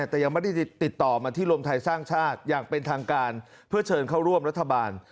แต่ยังไม่ได้ติดต่อมาที่รวมไทยสร้างชาติอย่างเป็นทางการเพื่อเชิญเข้าร่วมรัฐบาล